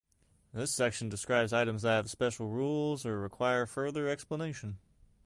This section describes items that have special rules or require further explanation.